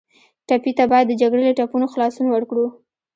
ټپي ته باید د جګړې له ټپونو خلاصون ورکړو.